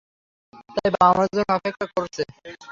ভাই, বাবা আমার জন্য অপেক্ষা করছে।